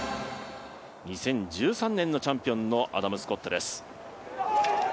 ２０１３年のチャンピオンのアダム・スコットです。